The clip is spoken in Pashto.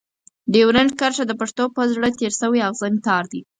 ډيورنډ کرښه د پښتنو په زړه تېر شوی اغزن تار دی.